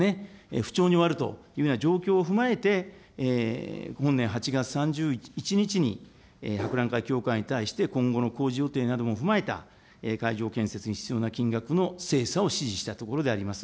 不調に終わるというような状況を踏まえて、本年８月３１日に、博覧会協会に対して、今後の工事予定なども踏まえた会場建設に必要な金額の精査を指示したところであります。